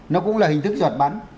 nó cũng là hình thức giọt bắn